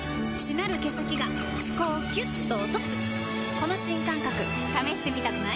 この新感覚試してみたくない？